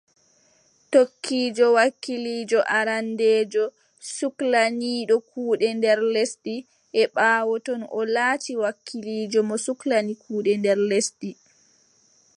Tokkiijo wakiiliijo arandeejo suklaniiɗo kuuɗe nder lesdi, e ɓaawo ton, o laati wakiiliijo mo suklani kuuɗe nder lesdi .